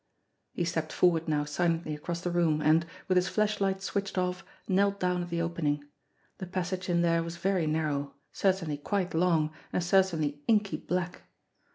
He stepped forward now silently across the room, and, with his flashlight switched off, knelt down at the opening. The passage in there was very narrow, certainly quite long, and certainly inky black.